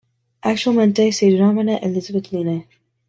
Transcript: Actualmente se denomina Elizabeth Line.